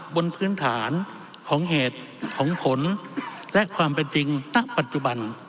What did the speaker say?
บนพื้นฐานของเหตุของผลและความเป็นจริงณปัจจุบัน